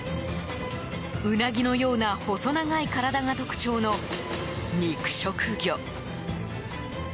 ウナギのような細長い体が特徴の肉食魚。